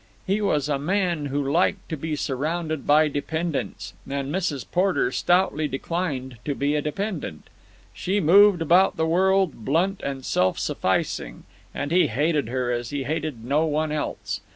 He was a man who liked to be surrounded by dependents, and Mrs. Porter stoutly declined to be a dependent. She moved about the world, blunt and self sufficing, and he hated her as he hated no one else.